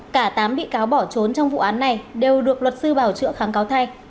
cả tám bị cáo bỏ trốn trong vụ án này đều được luật sư bảo chữa kháng cáo thay